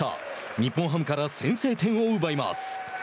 日本ハムから先制点を奪います。